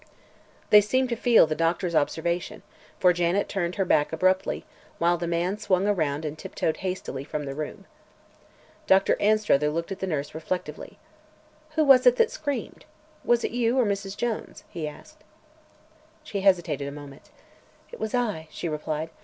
They seemed to feel the doctor's observation, for Janet turned her back abruptly, while the man swung around and tiptoed hastily from the room. Dr. Anstruther looked at the nurse reflectively. "Who was it that screamed? Was it you, or Mrs. Jones?" he asked. She hesitated a moment. "It was I," she replied.